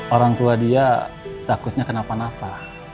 orang tua dia takutnya kenapa napa